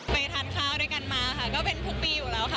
ไปทานข้าวด้วยกันมาค่ะก็เป็นทุกปีอยู่แล้วค่ะ